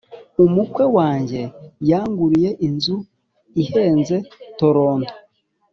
Umukwe wanjye yanguriye inzu ihenze tolonto